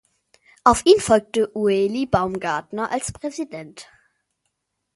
Auf ihn folgte Ueli Baumgartner als Präsident.